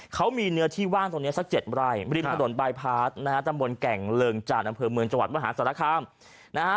เขามีเนื้อที่ว่างตรงนี้สัก๗ไร่ริมถนนบายพาร์ทนะฮะตำบลแก่งเริงจานอำเภอเมืองจังหวัดมหาศาลคามนะฮะ